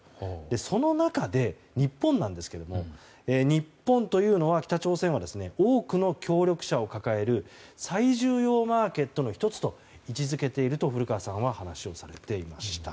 その中で日本なんですけど日本というのは北朝鮮は、多くの協力者を抱える最重要マーケットの１つと位置付けていると古川さんはお話をされていました。